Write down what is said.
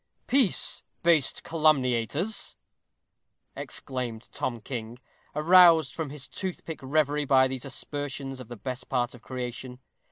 _ "Peace, base calumniators," exclaimed Tom King, aroused from his toothpick reverie by these aspersions of the best part of creation.